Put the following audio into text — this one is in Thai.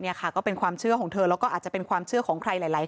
นี่ค่ะก็เป็นความเชื่อของเธอแล้วก็อาจจะเป็นความเชื่อของใครหลายคน